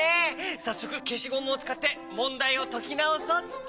さっそくけしゴムをつかってもんだいをときなおそうっと！